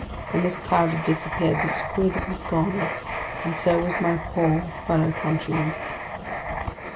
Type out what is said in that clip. When this cloud had dispersed, the squid was gone, and so was my poor fellow countryman!